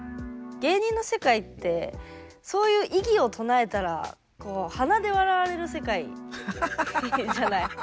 芸人の世界ってそういう異議を唱えたらこう鼻で笑われる世界じゃない。